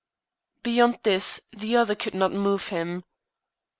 Beyond this, the other could not move him.